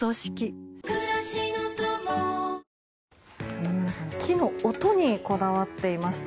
花村さん木の音にこだわっていました。